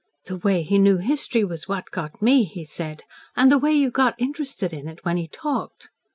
"The way he knew history was what got me," he said. "And the way you got interested in it, when he talked.